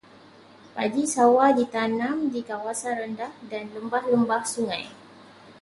Padi sawah ditanam di kawasan rendah dan di lembah-lembah sungai.